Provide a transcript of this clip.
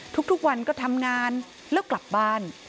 ทุกวันก็ทำงานแล้วกลับบ้าน